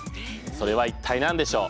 それは一体何でしょう？